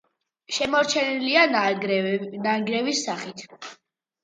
შემორჩენილია ნანგრევის სახით.